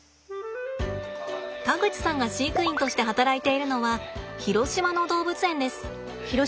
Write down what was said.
田口さんが飼育員として働いているのは広島の動物園です。